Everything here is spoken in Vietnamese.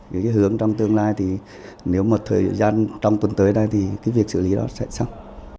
vì cái hướng trong tương lai thì nếu một thời gian trong tuần tới đây thì cái việc xử lý đó sẽ xong